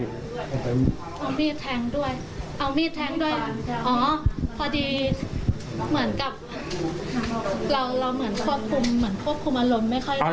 อ๋อพอดีเหมือนกับเราเหมือนควบคุมอารมณ์ไม่ค่อยร้าย